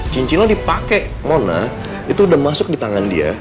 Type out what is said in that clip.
cincinnya dipakai mona itu udah masuk di tangan dia